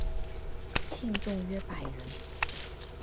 信众约百人。